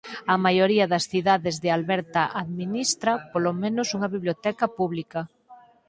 A maioría das cidades de Alberta administra polo menos unha biblioteca pública.